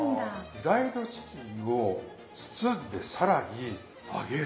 フライドチキンを包んで更に揚げる。